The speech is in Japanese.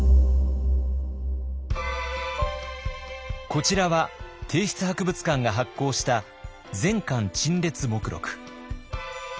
こちらは帝室博物館が発行した「全館陳列目録」。